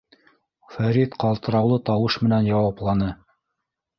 — Фәрит ҡалтыраулы тауыш менән яуапланы.